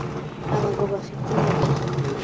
abagabo bafite intebe